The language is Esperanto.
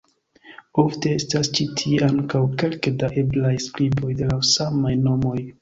Ofte estas ĉi tie ankaŭ kelke da eblaj skriboj de la samaj nomoj.